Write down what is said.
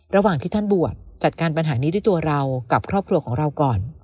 ระหว่างที่ท่านบวชจัดการปัญหานี้ด้วยตัวเรากับครอบครัวของเราก่อน